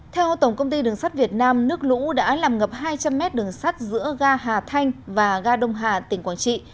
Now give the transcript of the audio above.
theo tổng công ty đường sắt việt nam nước lũ đã làm ngập hai trăm linh mét đường sắt giữa ga hà thanh và ga đông hà tỉnh quảng trị